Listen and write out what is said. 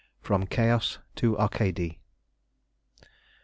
FROM CHAOS TO ARCADIE.